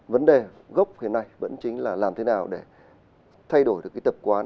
vấn đề gốc thế này vẫn chính là làm thế nào để thay đổi được cái tập quán